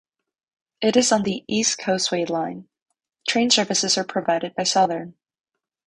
It is on the East Coastway Line; train services are provided by Southern.